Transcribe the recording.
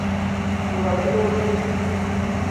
Tura filogi.